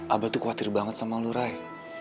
abah tuh khawatir banget sama lo ray